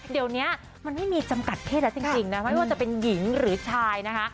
เดี๋ยวนี้มันไม่มีจำกัดเพศแล้วจริงนะไม่ว่าจะเป็นหญิงหรือชายนะคะ